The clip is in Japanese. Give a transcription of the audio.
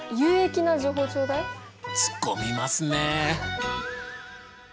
つっこみますね。